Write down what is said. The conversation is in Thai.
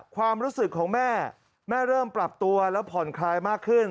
ความรู้สึกของแม่แม่เริ่มปรับตัวแล้วผ่อนคลายมากขึ้น